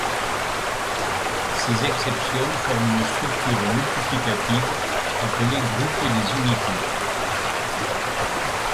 Ces exceptions forment une structure multiplicative appelée groupe des unités.